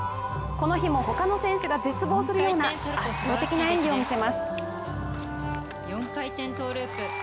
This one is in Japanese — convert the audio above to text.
この日も、ほかの選手が絶望するような圧倒的な演技を見せます。